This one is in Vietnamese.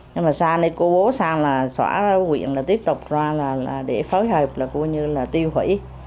nhưng mà xa này cô bố xa là xóa ra huyện là tiếp tục ra là để phối hợp là cô như là tiêu hủy